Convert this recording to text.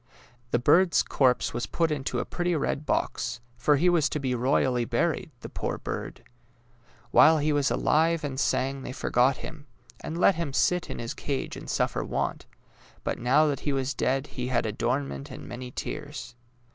The bird's corpse was put into a pretty red box, for he was to be royally buried — the poor bird! While he was alive and sang they forgot him, and let him sit in his cage and su:ffer want; but now that he was dead he had adornment and many tears.